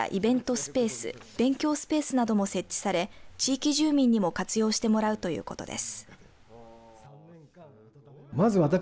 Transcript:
スペース勉強スペースなども設置され地域住民にも活用してもらうということです。